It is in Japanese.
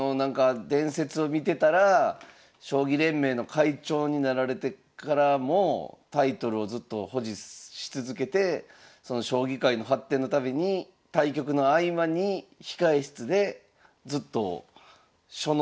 伝説を見てたら将棋連盟の会長になられてからもタイトルをずっと保持し続けてその将棋界の発展のために対局の合間に控え室でずっと書の揮ごうをされてたっていうね。